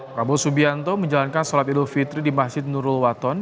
prabowo subianto menjalankan sholat idul fitri di masjid nurul waton